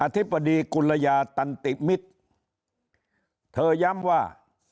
ธิบดีกุลยาตันติมิตรเธอย้ำว่า